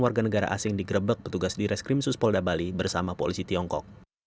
warga negara asing digrebek petugas di reskrim suspolda bali bersama polisi tiongkok